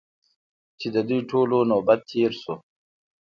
چې د دوی ټولو نوبت تېر شو.